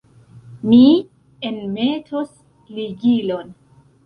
Mi enmetos ligilon.